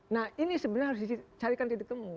nah ini sebenarnya harus dicarikan titik temu